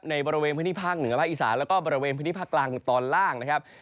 บริเวณพื้นที่ภาคเหนือภาคอีสานแล้วก็บริเวณพื้นที่ภาคกลางตอนล่างนะครับ